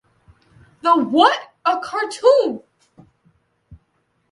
The What a Cartoon!